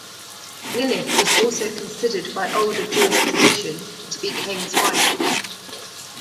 Lilith is also considered by older Jewish tradition to be Cain's wife.